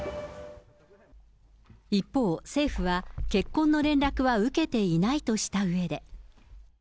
一方、政府は結婚の連絡は受けていないとしたうえで。